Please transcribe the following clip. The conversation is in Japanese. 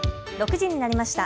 ６時になりました。